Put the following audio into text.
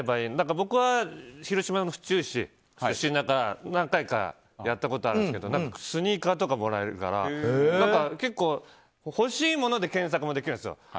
僕は広島の市の出身で何回かやったことあるんですけどスニーカーとかもらえるから結構、欲しいもので検索もできるんですよ。